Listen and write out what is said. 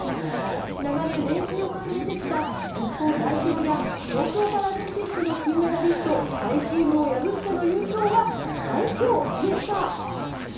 長年、練習を重ねてきた日本代表や東京パラリンピックの金メダリストタイチームを破っての優勝は快挙でした。